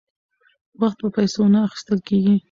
وخت په پیسو نه اخیستل کیږي.